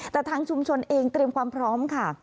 แต่ทางชุมชนเองเตรียมความพร้อมค่ะ